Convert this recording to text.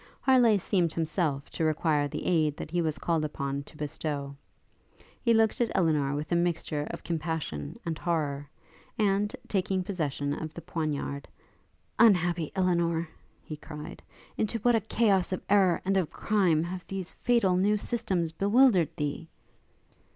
Harleigh seemed himself to require the aid that he was called upon to bestow. He looked at Elinor with a mixture of compassion and horrour, and, taking possession of the poniard, 'Unhappy Elinor!' he cried, 'into what a chaos of errour and of crime have these fatal new systems bewildered thee!'